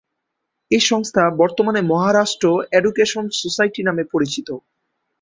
এই সংস্থা বর্তমানে মহারাষ্ট্র এডুকেশন সোসাইটি নামে পরিচিত।